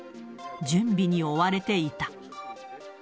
準備に追われていた。